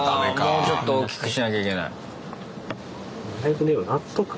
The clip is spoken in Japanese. もうちょっと大きくしなきゃいけない。